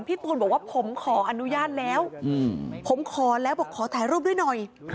ตูนบอกว่าผมขออนุญาตแล้วผมขอแล้วบอกขอถ่ายรูปด้วยหน่อย